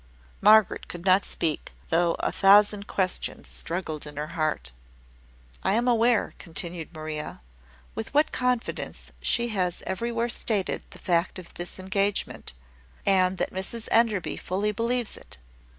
Margaret could not speak, though a thousand questions struggled in her heart. "I am aware," continued Maria, "with what confidence she has everywhere stated the fact of this engagement, and that Mrs Enderby fully believes it.